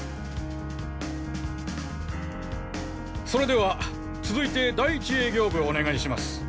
それでは続いて第一営業部お願いします。